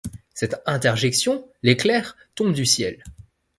Cette interjection, l'éclair, tombe du ciel.